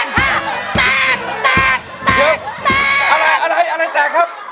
แตกแตกแตกแตก